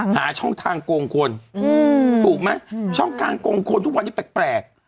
หาช่องทางกลงคนสูบมั้ยช่องกลางกลงคนทุกวันนี้แปลก